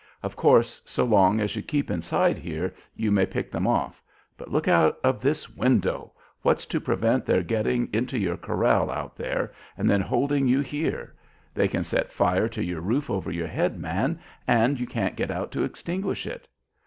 Of course, so long as you keep inside here you may pick them off, but look out of this window! What's to prevent their getting into your corral out there, and then holding you here! They can set fire to your roof over your head, man, and you can't get out to extinguish it."